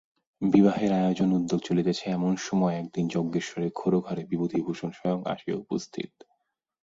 বিবাহের আয়োজন উদ্যোগ চলিতেছে এমন সময় একদিন যজ্ঞেশ্বরের খোড়ো ঘরে বিভূতিভূষণ স্বয়ং আসিয়া উপস্থিত।